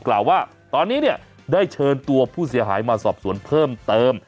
กล่าวว่าตอนนี้เนี่ยได้เชิญตัวผู้เสียหายมาสอบสวนเพิ่มเติม